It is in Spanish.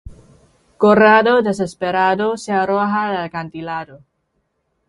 Corrado, desesperado, se arroja al acantilado.